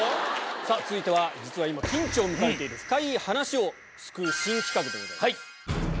さあ、続いては実は今、ピンチを迎えている深イイ話を救う新企画でございます。